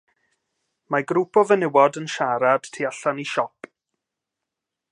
Mae grŵp o fenywod yn siarad tu allan i siop.